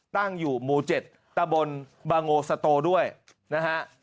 ตั้งอยู่หมู่๗ตะบนบางโงสโตด้วยนะฮะ